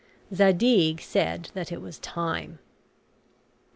Zadig said that it was Time.